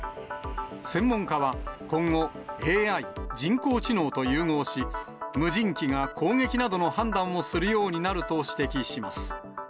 専門家は、今後、ＡＩ・人工知能と融合し、無人機が攻撃などの判断をするようになると指摘します。